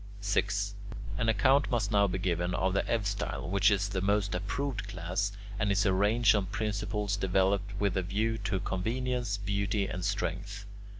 6. An account must now be given of the eustyle, which is the most approved class, and is arranged on principles developed with a view to convenience, beauty, and strength.